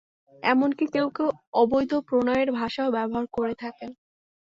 এমন কি কেউ কেউ অবৈধ প্রণয়ের ভাষাও ব্যবহার করে থাকেন।